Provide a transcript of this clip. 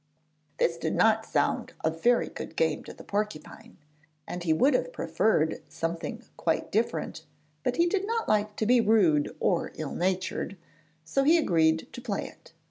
This did not sound a very good game to the porcupine, and he would have preferred something quite different, but he did not like to be rude or ill natured, so he agreed to play it.